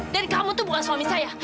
dan kamu tuh bukan suami saya